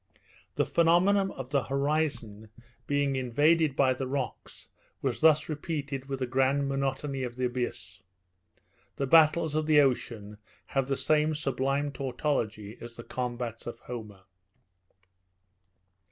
The phenomenon of the horizon being invaded by the rocks was thus repeated with the grand monotony of the abyss. The battles of the ocean have the same sublime tautology as the combats of Homer.